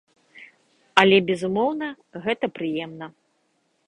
Але, безумоўна, гэта прыемна!